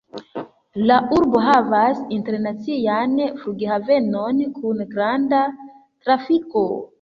La urbo havas internacian flughavenon kun granda trafiko.